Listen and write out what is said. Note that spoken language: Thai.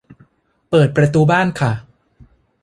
เปิดประตูบ้านค่ะ